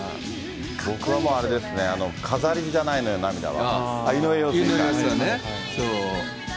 僕はあれですね、飾りじゃないのよ涙は。